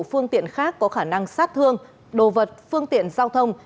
phương tiện khác có khả năng sát thương đồ vật phương tiện giao thông